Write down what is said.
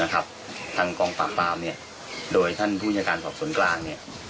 ทางกองปราบปรามโดยท่านผู้ยาการสอบส่วนกลาง